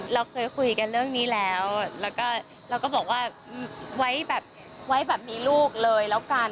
เราเคยคุยกันเรื่องนี้แล้วแล้วก็เราก็บอกว่าไว้แบบไว้แบบมีลูกเลยแล้วกัน